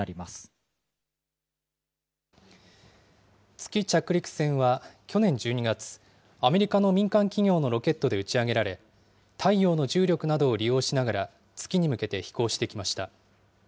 月着陸船は去年１２月、アメリカの民間企業のロケットで打ち上げられ、太陽の重力などを利用しながら、月に向けて飛行してきました。